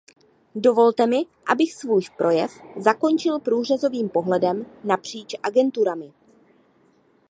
Dovolte mi, abych svůj projev zakončil průřezovým pohledem napříč agenturami.